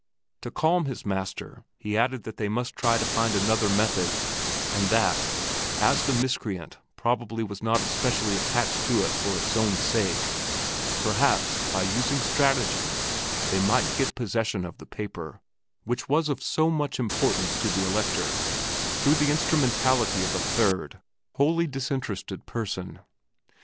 To calm his master he added that they must try to find another method, and that, as the miscreant probably was not especially attached to it for its own sake, perhaps, by using stratagem, they might get possession of the paper, which was of so much importance to the Elector, through the instrumentality of a third wholly disinterested person.